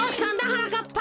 はなかっぱ。